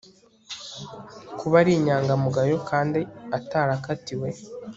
kuba ari inyangamugayo kandi atarakatiwe